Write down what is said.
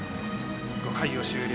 ５回を終了